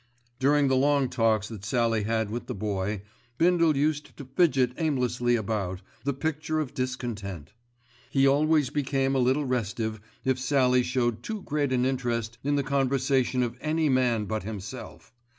During the long talks that Sallie had with the Boy, Bindle used to fidget aimlessly about, the picture of discontent. He always became a little restive if Sallie showed too great an interest in the conversation of any man but himself.